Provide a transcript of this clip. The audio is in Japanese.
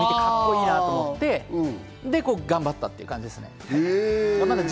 カッコいいなと思って、頑張ったっていう感じです。